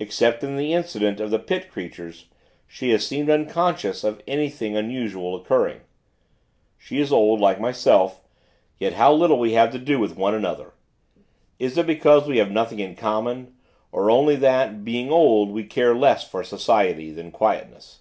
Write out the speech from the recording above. Except in the incident of the Pit creatures, she has seemed unconscious of anything unusual occurring. She is old, like myself; yet how little we have to do with one another. Is it because we have nothing in common; or only that, being old, we care less for society, than quietness?